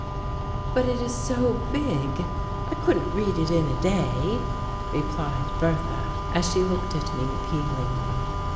"But it is so big, I couldn't read it in a day," replied Bertha, as she looked at me appealingly.